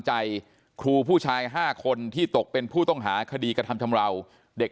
ใจครูผู้ชาย๕คนที่ตกเป็นผู้ต้องหาคดีกระทำชำราวเด็ก